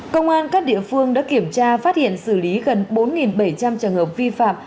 công an các địa phương đã kiểm tra phát hiện xử lý gần bốn bảy trăm linh trường hợp vi phạm